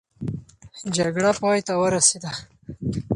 جګړه پای ته ورسېده.